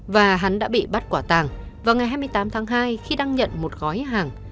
và hắn đã bị bắt quả tàng vào ngày hai mươi tám tháng hai khi đang nhận một gói hàng